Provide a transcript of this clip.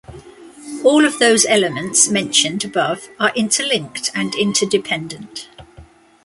All of those elements mentioned above are interlinked and interdependent.